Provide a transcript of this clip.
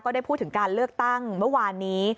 ได้พูดถึงการเลือกตั้งเมื่อวานนี้